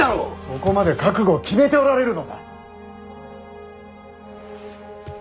そこまで覚悟を決めておられるのだ！